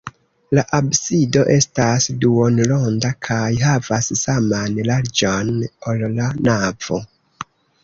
La absido estas duonronda kaj havas saman larĝon, ol la navo.